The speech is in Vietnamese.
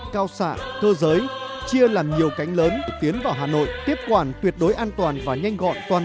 cao xạ cơ giới chia làm nhiều cánh lớn tiến vào hà nội tiếp quản tuyệt đối an toàn và nhanh gọn toàn